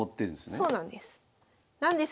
そうなんです。